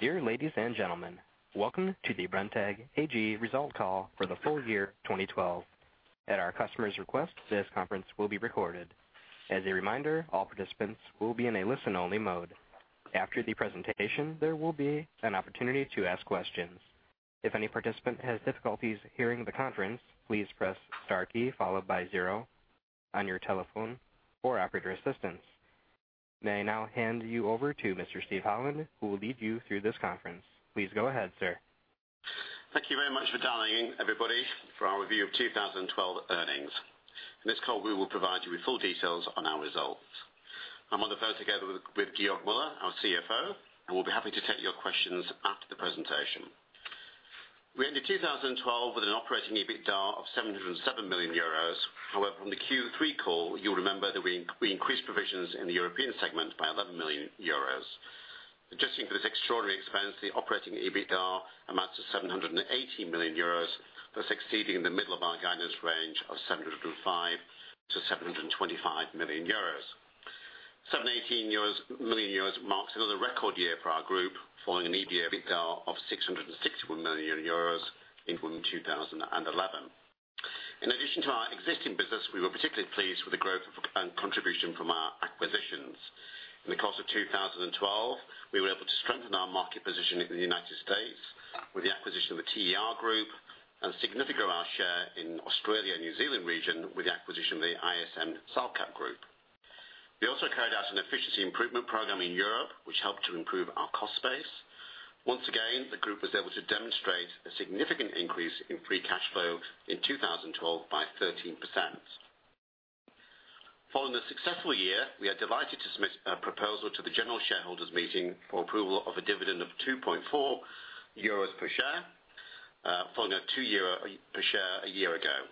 Dear ladies and gentlemen, welcome to the Brenntag AG result call for the full year 2012. At our customers' request, this conference will be recorded. As a reminder, all participants will be in a listen-only mode. After the presentation, there will be an opportunity to ask questions. If any participant has difficulties hearing the conference, please press * key followed by 0 on your telephone or operator assistance. May I now hand you over to Mr. Steven Holland, who will lead you through this conference. Please go ahead, sir. Thank you very much for dialing, everybody, for our review of 2012 earnings. In this call, we will provide you with full details on our results. I am on the phone together with Georg Müller, our CFO, and we will be happy to take your questions after the presentation. We ended 2012 with an operating EBITDA of 707 million euros. From the Q3 call, you will remember that we increased provisions in the European segment by 11 million euros. Adjusting for this extraordinary expense, the operating EBITDA amounts to 780 million euros, thus exceeding the middle of our guidance range of 705 million-725 million euros. 718 million euros marks another record year for our group, following an EBITDA of 661 million euros in 2011. In addition to our existing business, we were particularly pleased with the growth and contribution from our acquisitions. In the course of 2012, we were able to strengthen our market position in the U.S. with the acquisition of the TER Group and a significant amount of our share in Australia, New Zealand region with the acquisition of the ISM/Salkat Group. We also carried out an efficiency improvement program in Europe, which helped to improve our cost base. Once again, the group was able to demonstrate a significant increase in free cash flow in 2012 by 13%. Following the successful year, we are delighted to submit a proposal to the general shareholders meeting for approval of a dividend of 2.4 euros per share, following a 2 euro per share a year ago.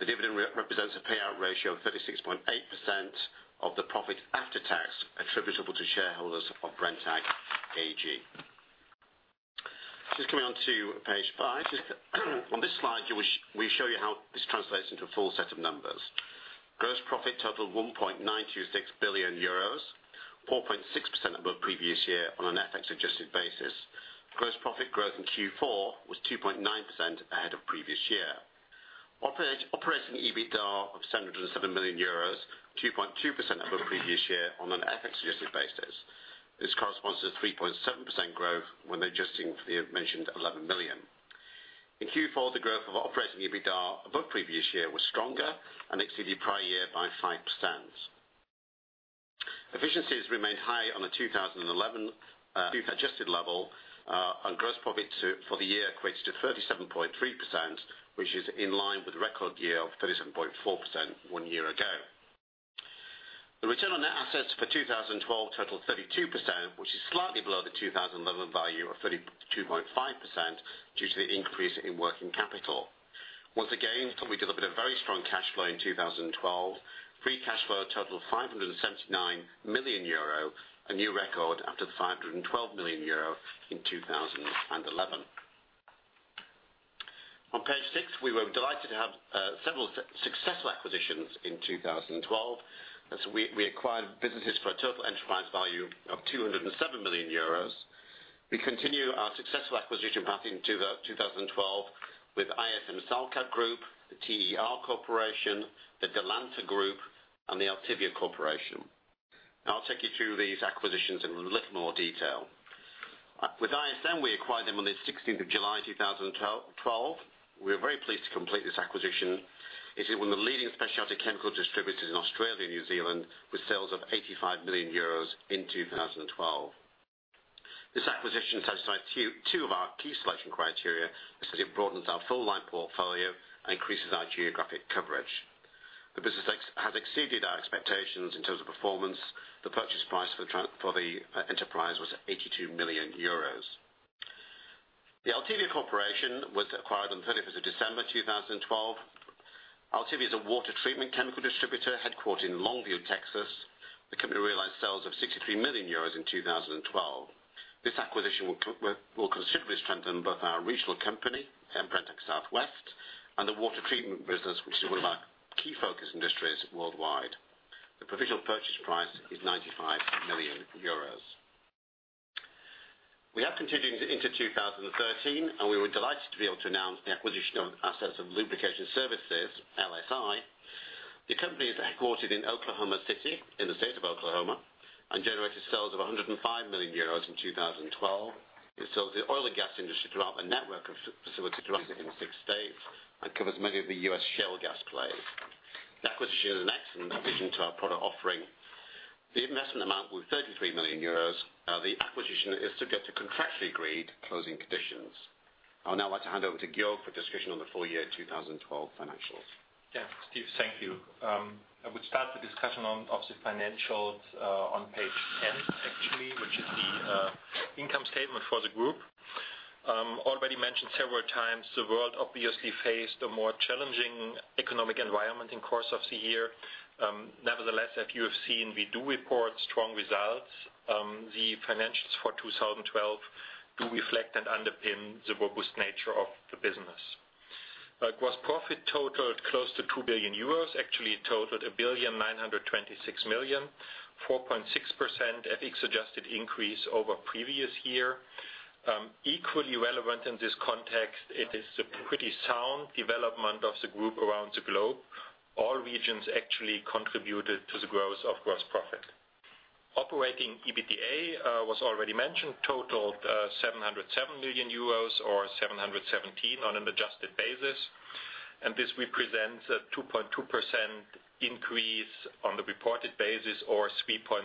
The dividend represents a payout ratio of 36.8% of the profit after tax attributable to shareholders of Brenntag AG. Just coming on to page five. On this slide, we show you how this translates into a full set of numbers. Gross profit totaled 1.926 billion euros, 4.6% above previous year on an FX-adjusted basis. Gross profit growth in Q4 was 2.9% ahead of previous year. Operating EBITDA of 707 million euros, 2.2% above previous year on an FX-adjusted basis. This corresponds to 3.7% growth when adjusting for the mentioned 11 million. In Q4, the growth of operating EBITDA above previous year was stronger and exceeded prior year by 5%. Efficiency has remained high on the 2011 adjusted level. Gross profit for the year equates to 37.3%, which is in line with the record year of 37.4% one year ago. The return on net assets for 2012 totaled 32%, which is slightly below the 2011 value of 32.5% due to the increase in working capital. Once again, the company delivered a very strong cash flow in 2012. Free cash flow totaled 579 million euro, a new record after the 512 million euro in 2011. On page six, we were delighted to have several successful acquisitions in 2012. We acquired businesses for a total enterprise value of 207 million euros. We continue our successful acquisition path into 2012 with ISM/Salkat Group, the TER Corporation, the Delanta Group, and the ALTIVIA Corporation. Now I'll take you through these acquisitions in a little more detail. With ISM, we acquired them on the 16th of July 2012. We were very pleased to complete this acquisition. It is one of the leading specialty chemical distributors in Australia and New Zealand, with sales of 85 million euros in 2012. This acquisition satisfies two of our key selection criteria, as it broadens our full line portfolio and increases our geographic coverage. The business has exceeded our expectations in terms of performance. The purchase price for the enterprise was 82 million euros. The ALTIVIA Corporation was acquired on 31st of December 2012. ALTIVIA is a water treatment chemical distributor headquartered in Longview, Texas. The company realized sales of 63 million euros in 2012. This acquisition will considerably strengthen both our regional company and Brenntag Southwest and the water treatment business, which is one of our key focus industries worldwide. The provisional purchase price is 95 million euros. We are continuing into 2013. We were delighted to be able to announce the acquisition of assets of Lubrication Services, LSi. The company is headquartered in Oklahoma City in the state of Oklahoma and generated sales of 105 million euros in 2012. It sells to the oil and gas industry throughout a network of facilities in six states and covers many of the U.S. shale gas plays. The acquisition is an excellent addition to our product offering. The investment amount was 33 million euros. The acquisition is subject to contractually agreed closing conditions. I would now like to hand over to Georg for discussion on the full year 2012 financials. Yeah. Steve, thank you. I would start the discussion on obviously financials on page 10 actually, which is the income statement for the group. Already mentioned several times, the world obviously faced a more challenging economic environment in course of the year. Nevertheless, as you have seen, we do report strong results. The financials for 2012 do reflect and underpin the robust nature of the business. Gross profit totaled close to 2 billion euros, actually totaled 1.926 billion, 4.6% FX-adjusted increase over previous year. Equally relevant in this context, it is a pretty sound development of the group around the globe. All regions actually contributed to the growth of gross profit. Operating EBITDA was already mentioned, totaled 707 million euros or 717 million on an adjusted basis. This represents a 2.2% increase on the reported basis or 3.7%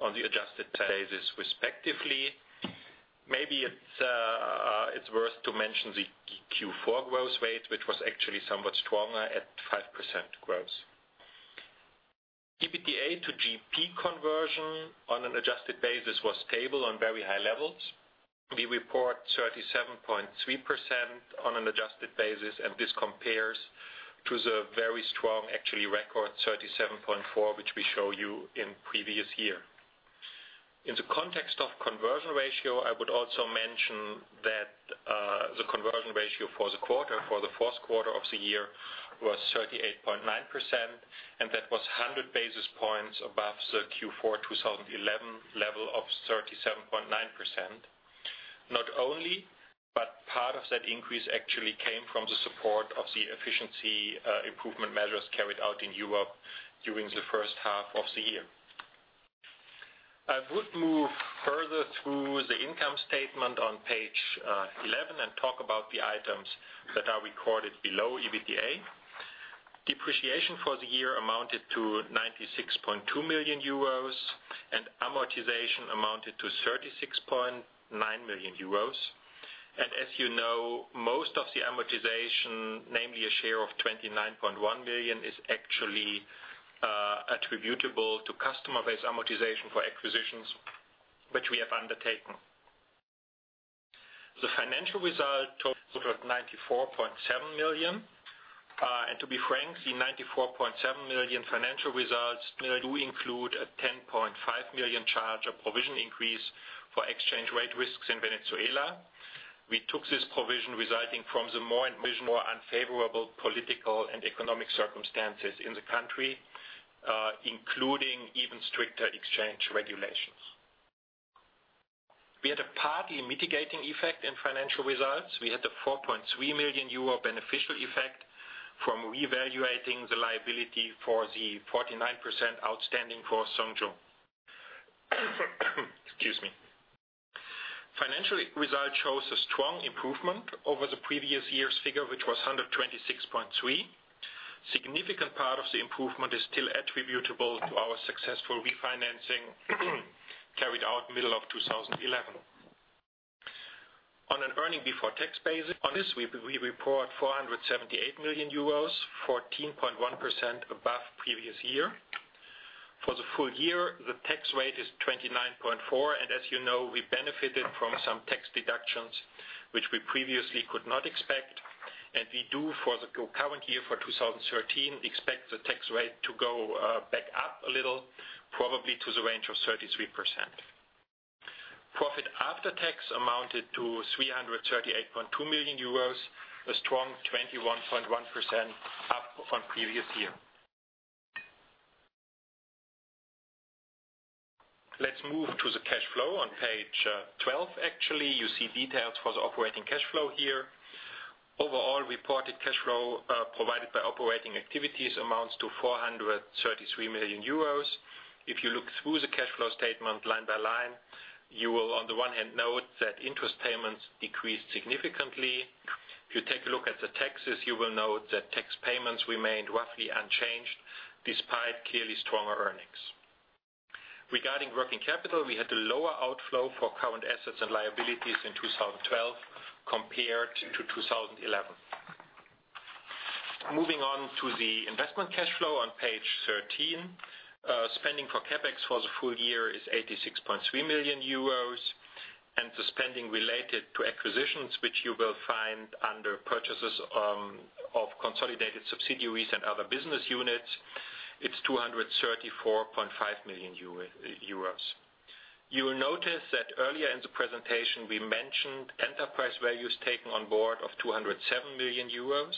on the adjusted basis respectively. Maybe it's worth to mention the Q4 growth rate, which was actually somewhat stronger at 5% growth. EBITDA to GP conversion on an adjusted basis was stable on very high levels. We report 37.3% on an adjusted basis and this compares to the very strong, actually record 37.4%, which we show you in previous year. In the context of conversion ratio, I would also mention that the conversion ratio for the quarter, for the fourth quarter of the year was 38.9%, and that was 100 basis points above the Q4 2011 level of 37.9%. Not only, but part of that increase actually came from the support of the efficiency improvement measures carried out in Europe during the first half of the year. I would move further through the income statement on page 11 and talk about the items that are recorded below EBITDA. Depreciation for the year amounted to 96.2 million euros, and amortization amounted to 36.9 million euros. As you know, most of the amortization, namely a share of 29.1 million, is actually attributable to customer-based amortization for acquisitions, which we have undertaken. The financial result totaled 94.7 million. To be frank, the 94.7 million financial results do include a 10.5 million charge, a provision increase for exchange rate risks in Venezuela. We took this provision resulting from the more and more unfavorable political and economic circumstances in the country, including even stricter exchange regulations. We had a partly mitigating effect in financial results. We had a 4.3 million euro beneficial effect from revaluating the liability for the 49% outstanding for [Sungjung]. Excuse me. Financial result shows a strong improvement over the previous year's figure, which was 126.3 million. Significant part of the improvement is still attributable to our successful refinancing carried out middle of 2011. On an earnings before tax basis, on this we report 478 million euros, 14.1% above previous year. For the full year, the tax rate is 29.4%, as you know, we benefited from some tax deductions, which we previously could not expect. We do for the current year, for 2013, expect the tax rate to go back up a little, probably to the range of 33%. Profit after tax amounted to 338.2 million euros, a strong 21.1% up from previous year. Let's move to the cash flow on page 12. Actually, you see details for the operating cash flow here. Overall reported cash flow, provided by operating activities, amounts to 433 million euros. If you look through the cash flow statement line by line, you will on the one hand note that interest payments decreased significantly. If you take a look at the taxes, you will note that tax payments remained roughly unchanged despite clearly stronger earnings. Regarding working capital, we had a lower outflow for current assets and liabilities in 2012 compared to 2011. Moving on to the investment cash flow on page 13. Spending for CapEx for the full year is 86.3 million euros and the spending related to acquisitions, which you will find under purchases of consolidated subsidiaries and other business units, it's 234.5 million euros. You will notice that earlier in the presentation, we mentioned enterprise values taken on board of 207 million euros.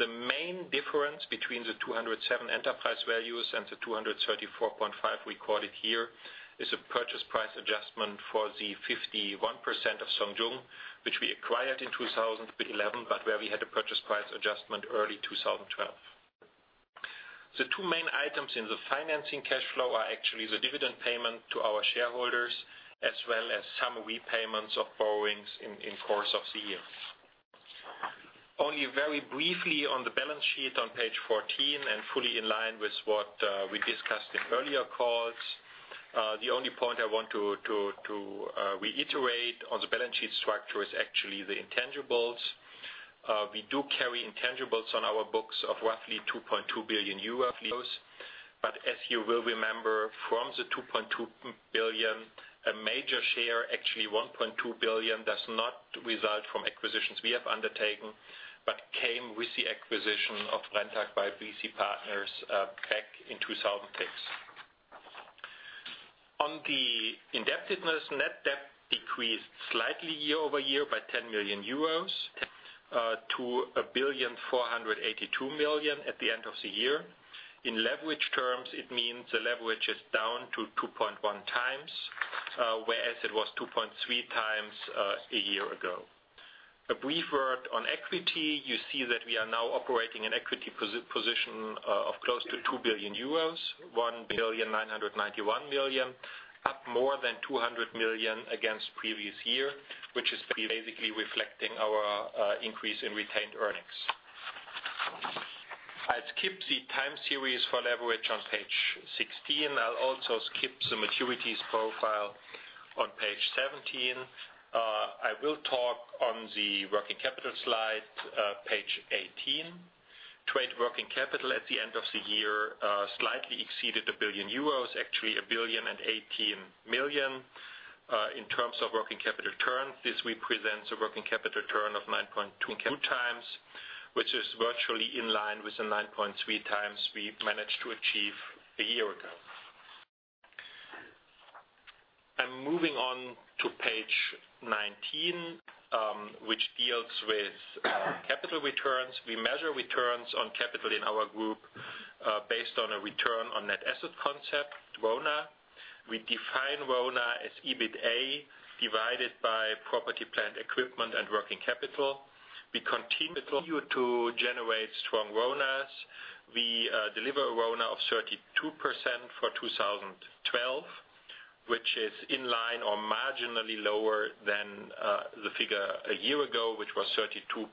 The main difference between the 207 enterprise values and the 234.5 recorded here is a purchase price adjustment for the 51% of [Sungjung], which we acquired in 2011, but where we had a purchase price adjustment early 2012. The two main items in the financing cash flow are actually the dividend payment to our shareholders, as well as some repayments of borrowings in course of the year. Only very briefly on the balance sheet on page 14 and fully in line with what we discussed in earlier calls. The only point I want to reiterate on the balance sheet structure is actually the intangibles. We do carry intangibles on our books of roughly 2.2 billion euros. As you will remember, from the 2.2 billion, a major share, actually 1.2 billion, does not result from acquisitions we have undertaken but came with the acquisition of Brenntag by BC Partners back in 2006. On the indebtedness, net debt decreased slightly year-over-year by 10 million euros to 1.482 billion at the end of the year. In leverage terms, it means the leverage is down to 2.1 times, whereas it was 2.3 times a year ago. A brief word on equity, you see that we are now operating an equity position of close to 2 billion euros, 1.991 billion, up more than 200 million against previous year, which is basically reflecting our increase in retained earnings. I'll skip the time series for leverage on page 16. I'll also skip the maturities profile on page 17. I will talk on the working capital slide, page 18. Trade working capital at the end of the year, slightly exceeded 1 billion euros, actually 1.018 billion. In terms of working capital turns, this represents a working capital turn of 9.2 times, which is virtually in line with the 9.3 times we managed to achieve a year ago. I'm moving on to page 19, which deals with capital returns. We measure returns on capital in our group based on a return on net asset concept, RONA. We define RONA as EBITA divided by property, plant, equipment, and working capital. We continue to generate strong RONAs. We deliver a RONA of 32% for 2012, which is in line or marginally lower than the figure a year ago, which was 32.5%.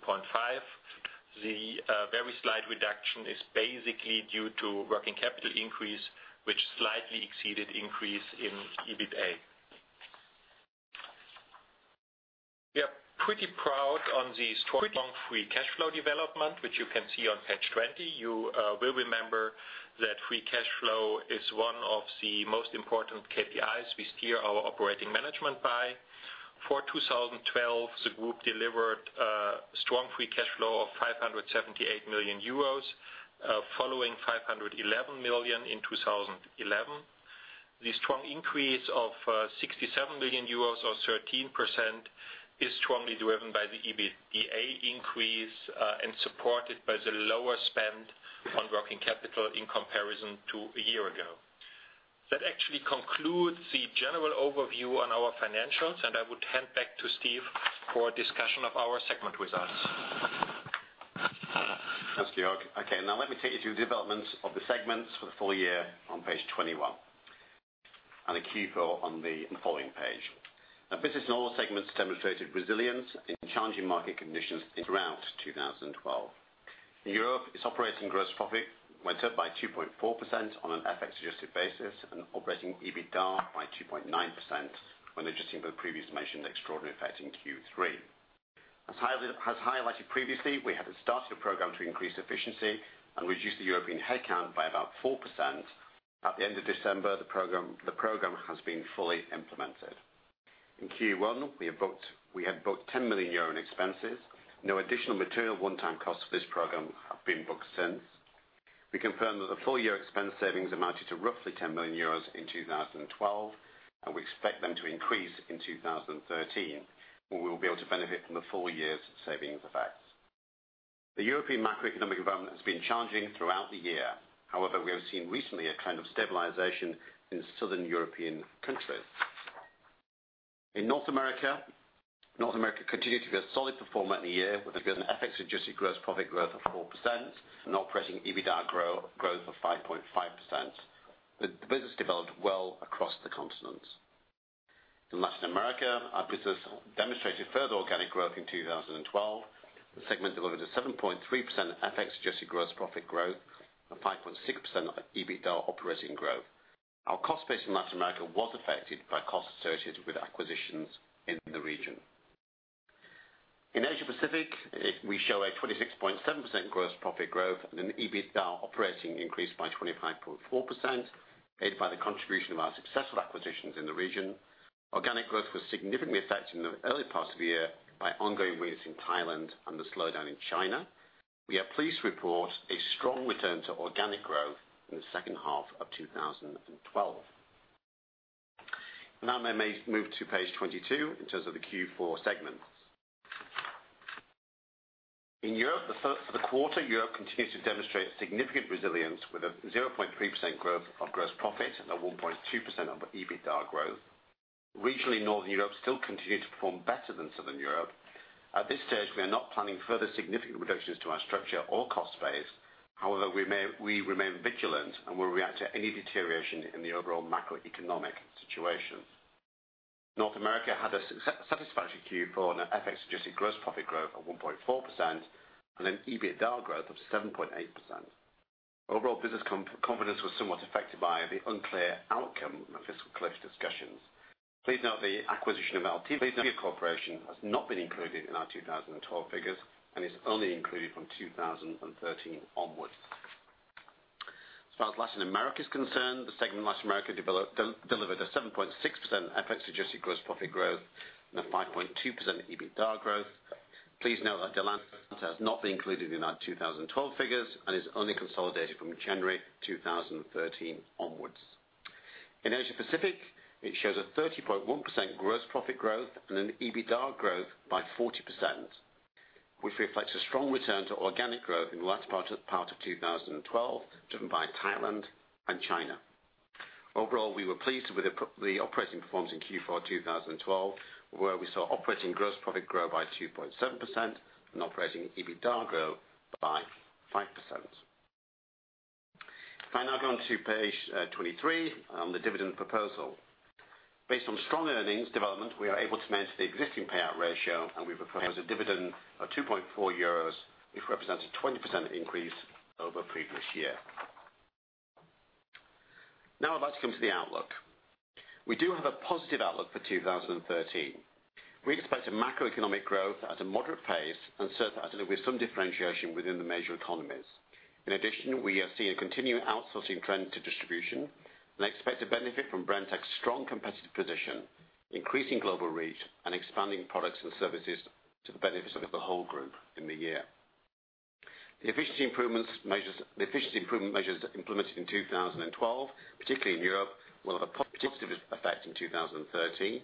The very slight reduction is basically due to working capital increase, which slightly exceeded increase in EBITA. We are pretty proud on the strong free cash flow development, which you can see on page 20. You will remember that free cash flow is one of the most important KPIs we steer our operating management by. For 2012, the group delivered a strong free cash flow of 578 million euros, following 511 million in 2011. The strong increase of 67 million euros or 13% is strongly driven by the EBITDA increase, and supported by the lower spend on working capital in comparison to a year ago. That actually concludes the general overview on our financials, and I would hand back to Steven for a discussion of our segment results. Thanks, Georg. Okay, now let me take you through the developments of the segments for the full year on page 21 and the Q4 on the following page. Our business in all segments demonstrated resilience in challenging market conditions throughout 2012. In Europe, its operating gross profit went up by 2.4% on an FX adjusted basis, and operating EBITDA by 2.9%, when adjusting for the previously mentioned extraordinary effect in Q3. As highlighted previously, we have started a program to increase efficiency and reduce the European headcount by about 4%. At the end of December, the program has been fully implemented. In Q1, we had booked 10 million euro in expenses. No additional material one-time costs for this program have been booked since. We confirm that the full-year expense savings amounted to roughly 10 million euros in 2012, and we expect them to increase in 2013, when we will be able to benefit from the full year's savings effects. The European macroeconomic environment has been challenging throughout the year. However, we have seen recently a kind of stabilization in Southern European countries. In North America continued to be a solid performer in the year with a good FX adjusted gross profit growth of 4% and operating EBITDA growth of 5.5%. The business developed well across the continent. In Latin America, our business demonstrated further organic growth in 2012. The segment delivered a 7.3% FX adjusted gross profit growth and 5.6% EBITDA operating growth. Our cost base in Latin America was affected by costs associated with acquisitions in the region. In Asia Pacific, we show a 26.7% gross profit growth and an EBITDA operating increase by 25.4%, aided by the contribution of our successful acquisitions in the region. Organic growth was significantly affected in the early part of the year by ongoing rains in Thailand and the slowdown in China. We are pleased to report a strong return to organic growth in the second half of 2012. Now may move to page 22 in terms of the Q4 segments. In Europe, for the quarter, Europe continued to demonstrate significant resilience with a 0.3% growth of gross profit and a 1.2% EBITDA growth. Regionally, Northern Europe still continued to perform better than Southern Europe. At this stage, we are not planning further significant reductions to our structure or cost base. However, we remain vigilant and will react to any deterioration in the overall macroeconomic situation. North America had a satisfactory Q4 on an FX adjusted gross profit growth of 1.4% and an EBITDA growth of 7.8%. Overall business confidence was somewhat affected by the unclear outcome of the fiscal cliff discussions. Please note the acquisition of ALTIVIA Corporation has not been included in our 2012 figures and is only included from 2013 onwards. As far as Latin America is concerned, the segment Latin America delivered a 7.6% FX adjusted gross profit growth and a 5.2% EBITDA growth. Please note that Delanta has not been included in our 2012 figures and is only consolidated from January 2013 onwards. In Asia Pacific, it shows a 30.1% gross profit growth and an EBITDA growth by 40%, which reflects a strong return to organic growth in the latter part of 2012, driven by Thailand and China. Overall, we were pleased with the operating performance in Q4 2012, where we saw operating gross profit grow by 2.7% and operating EBITDA grow by 5%. Can I now go on to page 23 on the dividend proposal? Based on strong earnings development, we are able to manage the existing payout ratio. We propose a dividend of 2.4 euros, which represents a 20% increase over previous year. Now I'd like to come to the outlook. We do have a positive outlook for 2013. We expect a macroeconomic growth at a moderate pace and with some differentiation within the major economies. In addition, we are seeing a continuing outsourcing trend to distribution and expect to benefit from Brenntag's strong competitive position, increasing global reach, and expanding products and services to the benefit of the whole group in the year. The efficiency improvement measures implemented in 2012, particularly in Europe, will have a positive effect in 2013.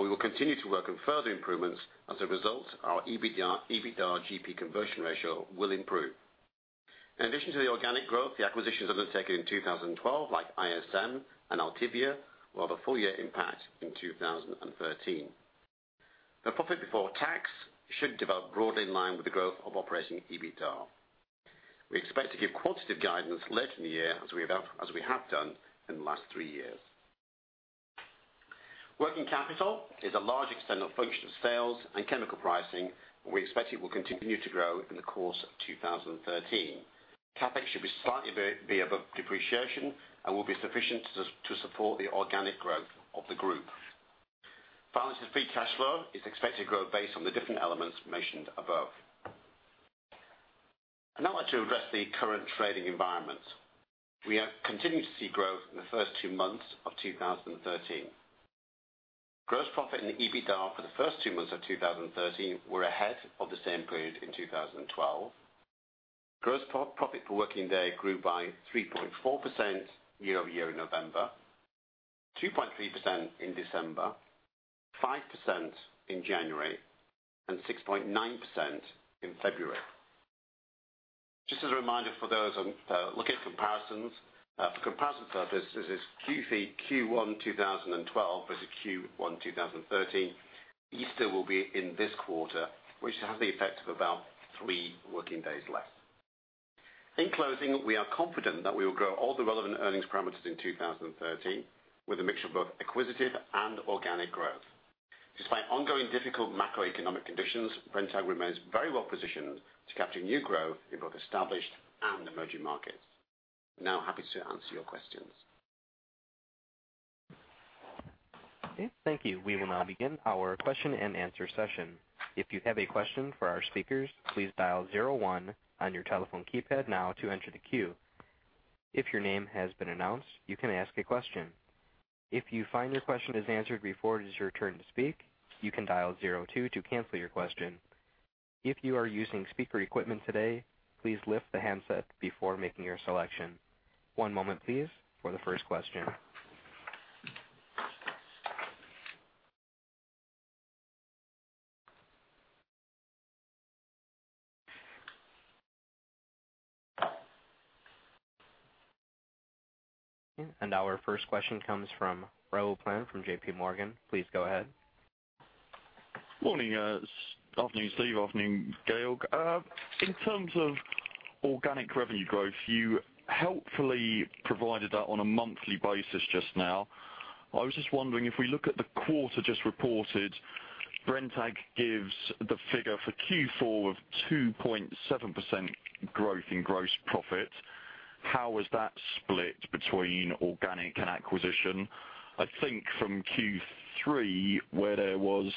We will continue to work on further improvements. As a result, our EBITDA GP conversion ratio will improve. In addition to the organic growth, the acquisitions undertaken in 2012, like ISM and ALTIVIA, will have a full-year impact in 2013. The profit before tax should develop broadly in line with the growth of operating EBITDA. We expect to give quantitative guidance later in the year as we have done in the last three years. Working capital is a large extent of function of sales and chemical pricing. We expect it will continue to grow in the course of 2013. CapEx should be slightly above depreciation and will be sufficient to support the organic growth of the group. Balance sheet free cash flow is expected to grow based on the different elements mentioned above. I'd now like to address the current trading environment. We have continued to see growth in the first two months of 2013. Gross profit and EBITDA for the first two months of 2013 were ahead of the same period in 2012. Gross profit for working day grew by 3.4% year-over-year in November, 2.3% in December, 5% in January, and 6.9% in February. Just as a reminder for those looking for comparison purposes, Q1 2012 versus Q1 2013, Easter will be in this quarter, which has the effect of about three working days less. In closing, we are confident that we will grow all the relevant earnings parameters in 2013 with a mixture of both acquisitive and organic growth. Despite ongoing difficult macroeconomic conditions, Brenntag remains very well positioned to capture new growth in both established and emerging markets. Now happy to answer your questions. Okay, thank you. We will now begin our question and answer session. If you have a question for our speakers, please dial 01 on your telephone keypad now to enter the queue. If your name has been announced, you can ask a question. If you find your question is answered before it is your turn to speak, you can dial 02 to cancel your question. If you are using speaker equipment today, please lift the handset before making your selection. One moment please for the first question. Our first question comes from [Raul Plan] from JPMorgan. Please go ahead. Morning. Good afternoon, Steve. Afternoon, Georg. In terms of organic revenue growth, you helpfully provided that on a monthly basis just now. I was just wondering, if we look at the quarter just reported, Brenntag gives the figure for Q4 of 2.7% growth in gross profit. How was that split between organic and acquisition? I think from Q3, where there was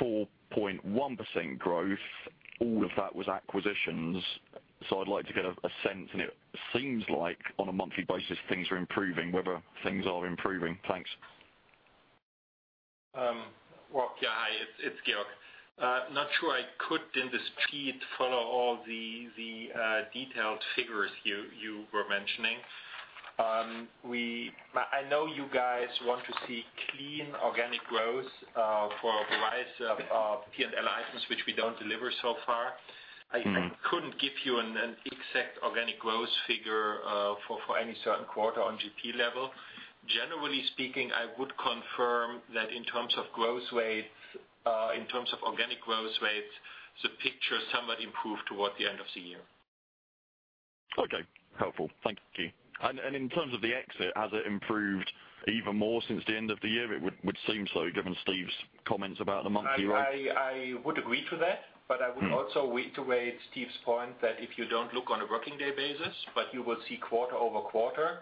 4.1% growth, all of that was acquisitions. I'd like to get a sense, and it seems like on a monthly basis, things are improving, whether things are improving. Thanks. Well, yeah, hi. It's Georg. Not sure I could, in the speed, follow all the detailed figures you were mentioning. I know you guys want to see clean organic growth for a variety of P&L items, which we don't deliver so far. I couldn't give you an exact organic growth figure for any certain quarter on GP level. Generally speaking, I would confirm that in terms of organic growth rates, the picture somewhat improved towards the end of the year. Okay. Helpful. Thank you. In terms of the exit, has it improved even more since the end of the year? It would seem so, given Steve's comments about the monthly rate. I would agree to that, but I would also iterate Steve's point that if you don't look on a working day basis, but you will see quarter-over-quarter,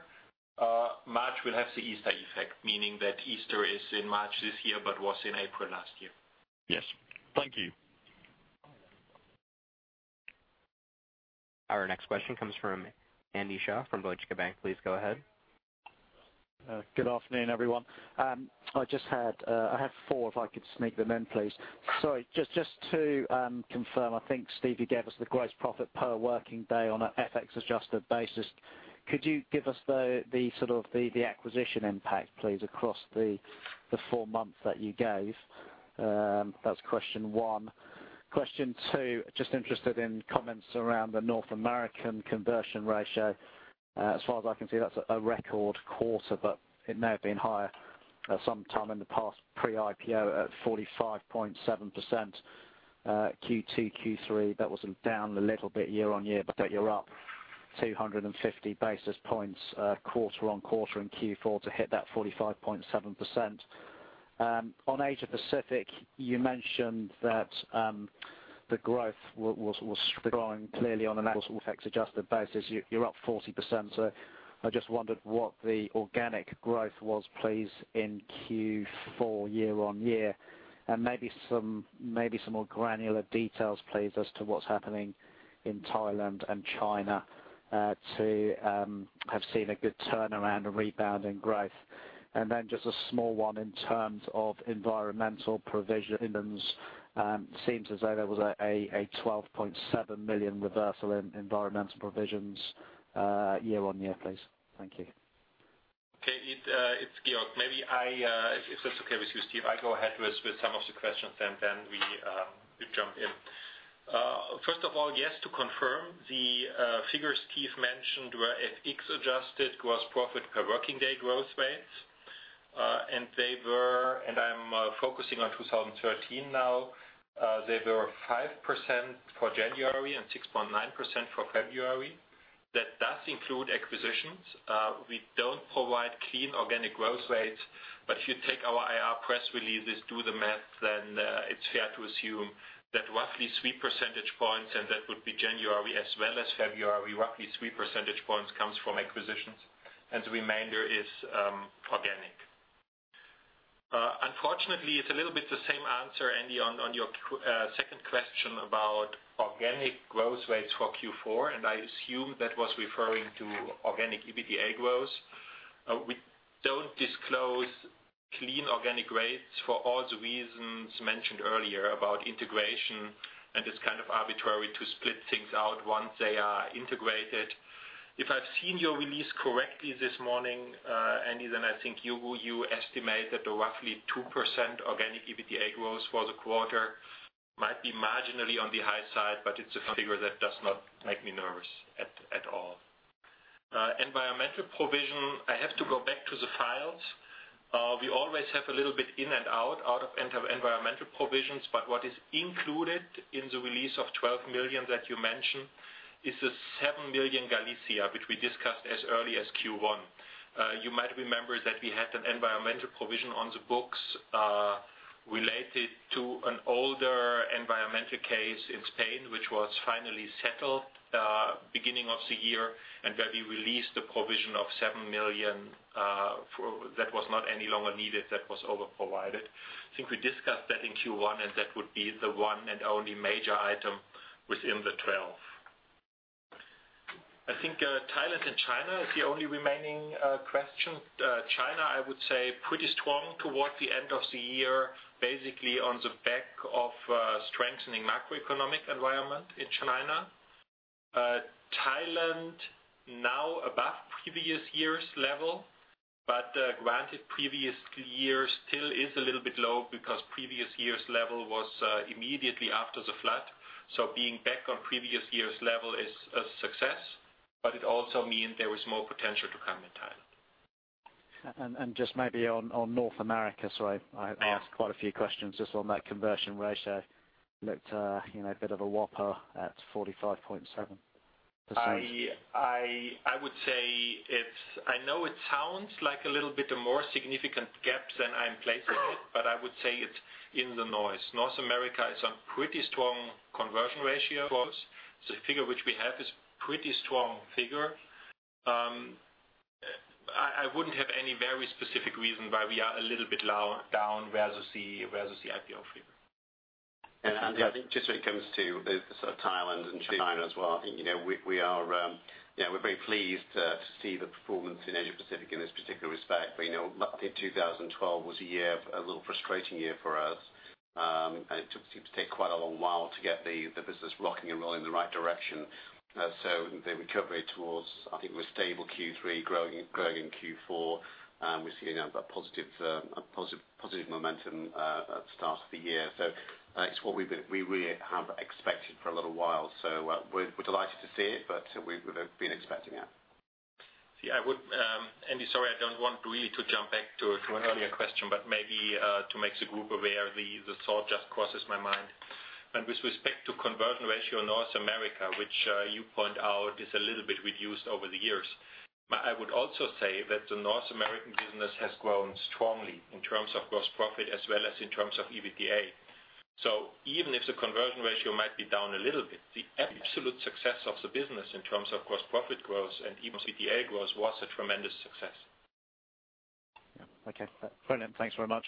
March will have the Easter effect, meaning that Easter is in March this year but was in April last year. Yes. Thank you. Our next question comes from Andy Shaw from Deutsche Bank. Please go ahead. Good afternoon, everyone. I have four, if I could sneak them in, please. Sorry, just to confirm, I think Steve, you gave us the gross profit per working day on an FX-adjusted basis. Could you give us the acquisition impact, please, across the four months that you gave? That's question one. Question two, just interested in comments around the North American conversion ratio. As far as I can see, that's a record quarter, but it may have been higher sometime in the past pre-IPO at 45.7%. Q2, Q3, that was down a little bit year-on-year, but you're up 250 basis points, quarter-on-quarter in Q4 to hit that 45.7%. On Asia Pacific, you mentioned that the growth was strong. Clearly, on an FX-adjusted basis, you're up 40%, so I just wondered what the organic growth was, please, in Q4 year-on-year. Maybe some more granular details, please, as to what's happening in Thailand and China to have seen a good turnaround or rebound in growth. Just a small one in terms of environmental provisions. Seems as though there was a 12.7 million reversal in environmental provisions year-on-year, please. Thank you. Okay. It's Georg. Maybe I, if that's okay with you, Steve, I go ahead with some of the questions. First of all, yes, to confirm the figures Steve mentioned were FX-adjusted gross profit per working day growth rates. They were, and I'm focusing on 2013 now, they were 5% for January and 6.9% for February. That does include acquisitions. We don't provide clean organic growth rates. If you take our IR press releases, do the math, then it's fair to assume that roughly three percentage points, and that would be January as well as February, roughly three percentage points comes from acquisitions and the remainder is organic. Unfortunately, it's a little bit the same answer, Andy, on your second question about organic growth rates for Q4, and I assume that was referring to organic EBITDA growth. We don't disclose clean organic rates for all the reasons mentioned earlier about integration, and it's arbitrary to split things out once they are integrated. If I've seen your release correctly this morning, Andy, then I think you estimate that the roughly 2% organic EBITDA growth for the quarter might be marginally on the high side, but it's a figure that does not make me nervous at all. Environmental provision, I have to go back to the files. We always have a little bit in and out of environmental provisions, but what is included in the release of 12 million that you mentioned is the 7 million Galicia, which we discussed as early as Q1. You might remember that we had an environmental provision on the books related to an older environmental case in Spain, which was finally settled, beginning of the year and where we released the provision of 7 million, that was not any longer needed, that was over-provided. I think we discussed that in Q1, and that would be the one and only major item within the 12. I think Thailand and China is the only remaining question. China, I would say pretty strong toward the end of the year, basically on the back of a strengthening macroeconomic environment in China. Thailand now above previous year's level. Granted previous year still is a little bit low because the previous year's level was immediately after the flood. Being back on previous year's level is a success, but it also means there is more potential to come in Thailand. Just maybe on North America. Sorry, I asked quite a few questions just on that conversion ratio. Looked a bit of a whopper at 45.7%. I would say I know it sounds like a little bit of more significant gap than I'm placing it, but I would say it's in the noise. North America is on pretty strong conversion ratio growth. The figure which we have is a pretty strong figure. I wouldn't have any very specific reason why we are a little bit down versus the IPO figure. Andy, I think just when it comes to Thailand and China as well, I think we're very pleased to see the performance in Asia Pacific in this particular respect. In 2012 was a little frustrating year for us. It seemed to take quite a long while to get the business rocking and rolling in the right direction. The recovery towards, I think we're stable Q3, growing in Q4. We're seeing a positive momentum at the start of the year. It's what we really have expected for a little while. We're delighted to see it, but we've been expecting it. Andy, sorry, I don't want really to jump back to an earlier question, but maybe to make the group aware, the thought just crosses my mind. With respect to conversion ratio in North America, which you point out is a little bit reduced over the years. I would also say that the North American business has grown strongly in terms of gross profit as well as in terms of EBITDA. Even if the conversion ratio might be down a little bit, the absolute success of the business in terms of gross profit growth and EBITDA growth was a tremendous success. Yeah. Okay. Brilliant. Thanks very much.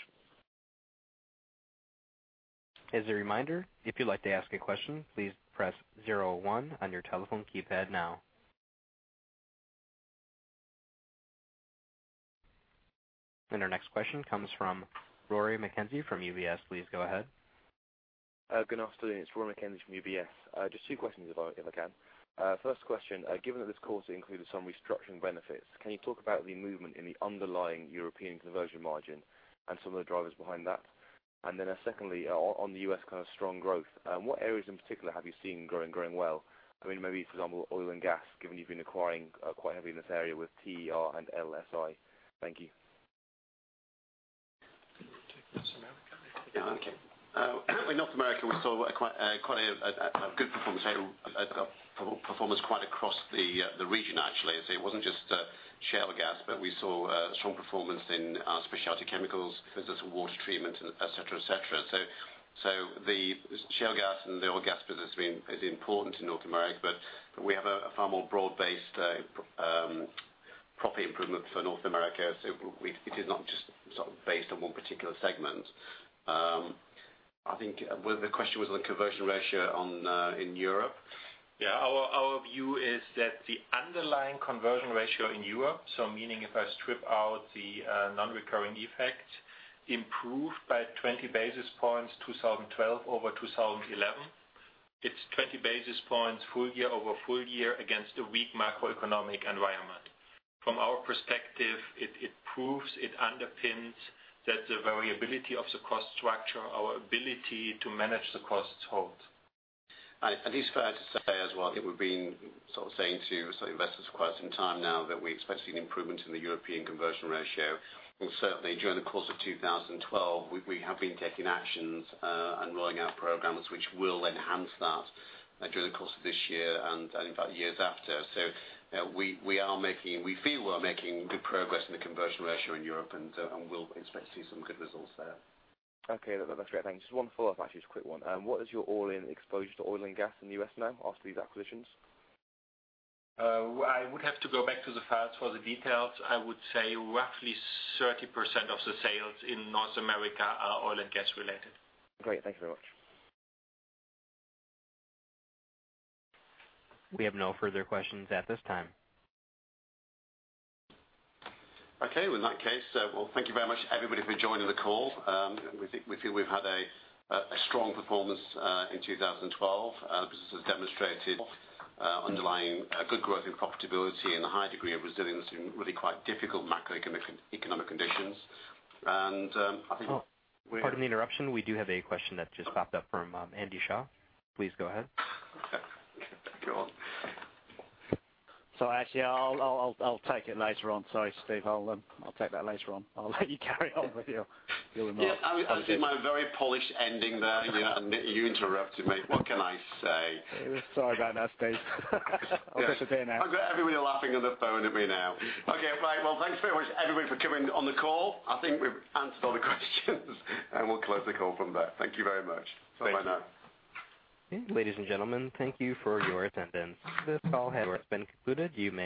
As a reminder, if you'd like to ask a question, please press zero one on your telephone keypad now. Our next question comes from Rory McKenzie from UBS. Please go ahead. Good afternoon. It's Rory McKenzie from UBS. Just two questions, if I can. First question, given that this call included some restructuring benefits, can you talk about the movement in the underlying European conversion margin and some of the drivers behind that? Then secondly, on the U.S. kind of strong growth, what areas in particular have you seen growing well? Maybe for example, oil and gas, given you've been acquiring quite heavily in this area with TER and LSi. Thank you. Take North America. Yeah. Okay. In North America, we saw quite a good performance quite across the region actually. It wasn't just shale gas, but we saw strong performance in our specialty chemicals. There's water treatment, et cetera. The shale gas and the oil and gas business is important to North America, but we have a far more broad-based property improvement for North America. It is not just based on one particular segment. I think the question was on the conversion ratio in Europe. Yeah, our view is that the underlying conversion ratio in Europe, meaning if I strip out the non-recurring effect, improved by 20 basis points 2012 over 2011. It's 20 basis points full year over full year against a weak macroeconomic environment. From our perspective, it proves, it underpins that the variability of the cost structure, our ability to manage the costs hold. I think it's fair to say as well that we've been saying to investors for quite some time now that we're expecting an improvement in the European conversion ratio. Certainly, during the course of 2012, we have been taking actions and rolling out programs which will enhance that during the course of this year and in fact, the years after. We feel we're making good progress in the conversion ratio in Europe, and we'll expect to see some good results there. Okay, that's great. Thank you. Just one follow-up, actually, just a quick one. What is your all-in exposure to oil and gas in the U.S. now after these acquisitions? I would have to go back to the files for the details. I would say roughly 30% of the sales in North America are oil and gas related. Great. Thank you very much. We have no further questions at this time. Okay, well in that case, well, thank you very much everybody for joining the call. We feel we've had a strong performance in 2012. The business has demonstrated underlying good growth in profitability and a high degree of resilience in really quite difficult macroeconomic conditions. I think we're. Pardon the interruption. We do have a question that just popped up from Andy Shaw. Please go ahead. Go on. Actually, I'll take it later on. Sorry, Steve, I'll take that later on. I'll let you carry on with your remarks. Yeah. I did my very polished ending there, and you interrupted me. What can I say? Sorry about that, Steve. I'll disappear now. I've got everybody laughing on the phone at me now. Okay, right. Well, thanks very much everybody for coming on the call. I think we've answered all the questions, and we'll close the call from there. Thank you very much. Bye now. Thank you. Ladies and gentlemen, thank you for your attendance. This call has been concluded. You may disconnect.